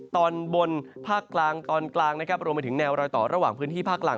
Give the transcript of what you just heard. ตอนบนภาคกลางตอนกลางนะครับรวมไปถึงแนวรอยต่อระหว่างพื้นที่ภาคหลัง